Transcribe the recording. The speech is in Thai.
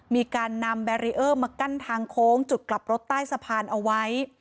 มีการนำแบรีเออร์มากั้นทางโค้งจุดกลับรถใต้สะพานเอาไว้